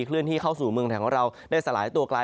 เลื่อนที่เข้าสู่เมืองไทยของเราได้สลายตัวกลาย